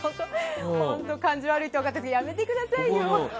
本当に感じ悪いって分かってるけどやめてくださいよ！